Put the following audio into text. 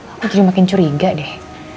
aku akhirnya makin curiga deh